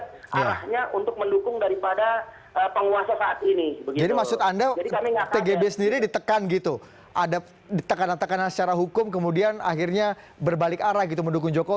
tidak mendukung daripada properista agama tidak mendukung daripada kriminalisasi ulama